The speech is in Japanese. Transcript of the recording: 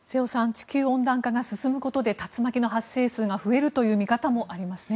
地球温暖化が進むことで竜巻の発生数が増えるという見方もありますね。